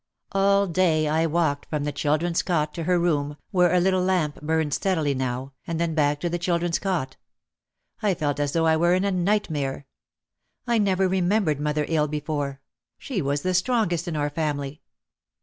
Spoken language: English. All day I walked from the chil dren's cot to her room, where a little lamp burned steadily now, and then back to the children's cot. I felt as though I were in a nightmare. I never remembered mother ill before. She was the strongest in our family.